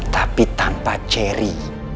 tapi tanpa jerry